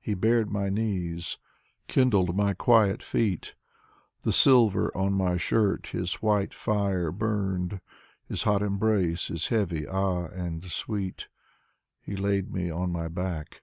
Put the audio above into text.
He bared my knees. Kindled my quiet feet. The silver on my shirt his white fire burned. His hot embrace is heavy, ah, and sweet. He laid me on my back.